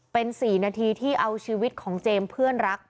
เป็น๔นาทีที่เอาชีวิตของเจมส์เพื่อนรัก